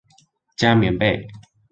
加棉被